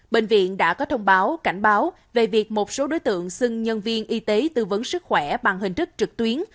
bệnh viện đã có thông báo cảnh báo về việc một số đối tượng xưng nhân viên y tế tư vấn sức khỏe bằng hình thức trực tuyến